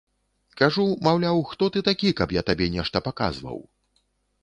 Кажу, маўляў, хто ты такі, каб я табе нешта паказваў.